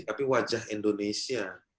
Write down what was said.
tapi wajah indonesia